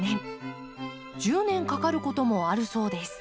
１０年かかることもあるそうです。